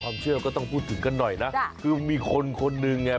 ความเชื่อกี่เราต้องพูดถึงกันหน่อยนะคือมีคนคนนึงไง